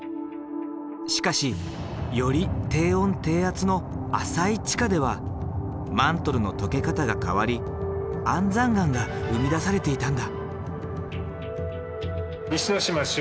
しかしより低温低圧の浅い地下ではマントルの溶け方が変わり安山岩が生み出されていたんだ。